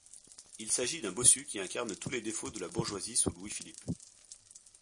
Il s'agit d'un bossu qui incarne tous les défauts de la bourgeoisie sous Louis-Philippe.